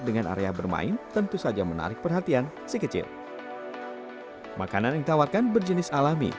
dengan area bermain tentu saja menarik perhatian si kecil makanan yang ditawarkan berjenis alami